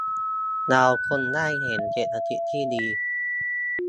เราคงได้เห็นเศรษฐกิจที่ดี